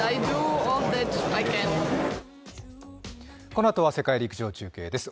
このあとは世界陸上中継です。